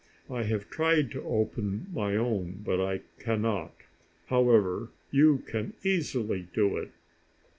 I have tried to open my own, but I cannot. However, you can easily do it.